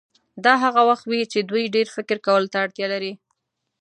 دا هغه وخت وي چې دوی ډېر فکر کولو ته اړتیا لري.